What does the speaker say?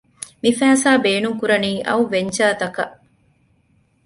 މި ފައިސާ ބޭނުން ކުރަނީ އައު ވެންޗަރތަކަށް